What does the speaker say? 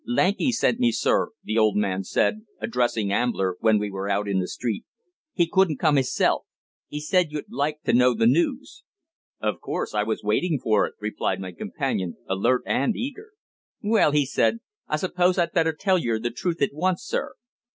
"Lanky sent me, sir," the old man said, addressing Ambler, when we were out in the street. "He couldn't come hisself. 'E said you'd like to know the news." "Of course, I was waiting for it," replied my companion, alert and eager. "Well," he said, "I suppose I'd better tell yer the truth at once, sir."